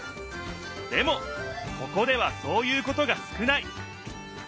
でもここではそういうことが少ない。